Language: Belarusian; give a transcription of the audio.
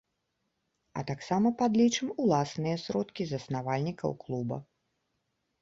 А таксама падлічым уласныя сродкі заснавальнікаў клуба.